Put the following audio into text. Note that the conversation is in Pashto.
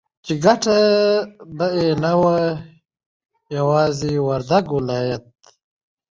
چې گټه به يې نه يوازې وردگ ولايت